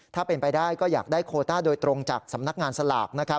ถ้าเป็นไปได้ก็อยากได้โคต้าโดยตรงจากสำนักงานสลาก